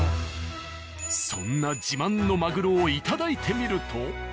そんな自慢のマグロをいただいてみると。